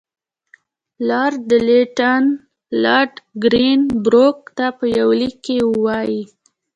لارډ لیټن لارډ ګرین بروک ته په یوه لیک کې وایي.